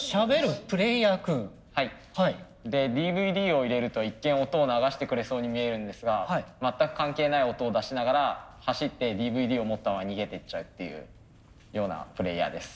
ＤＶＤを入れると一見音を流してくれそうに見えるんですが全く関係ない音を出しながら走ってＤＶＤを持ったまま逃げてっちゃうっていうようなプレーヤーです。